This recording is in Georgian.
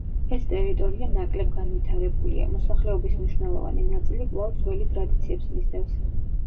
ეს ტერიტორია ნაკლებ განვითარებულია, მოსახლეობის მნიშვნელოვანი ნაწილი კვლავ ძველი ტრადიციებს მისდევს.